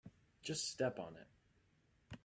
Just step on it.